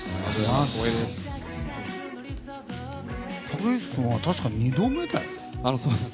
竹内君は確か２度目だな。